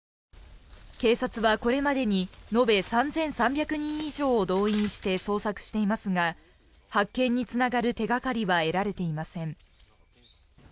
警察はこれまでに延べ３３００人以上を動員して捜索していますが発見につながる手掛かりは得られていません。